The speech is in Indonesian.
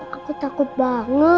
waktu itu aku pernah tersesat